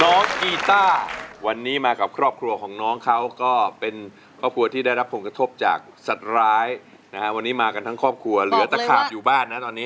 กีต้าวันนี้มากับครอบครัวของน้องเขาก็เป็นครอบครัวที่ได้รับผลกระทบจากสัตว์ร้ายนะฮะวันนี้มากันทั้งครอบครัวเหลือตะขาบอยู่บ้านนะตอนนี้